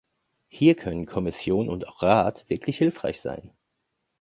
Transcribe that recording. Hier können Kommission und auch Rat wirklich hilfreich sein.